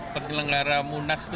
pergelenggara munas itu dpp